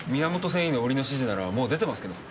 繊維の売りの指示ならもう出てますけど。